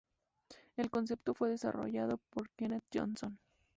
El concepto fue desarrollado por Kenneth Johnson.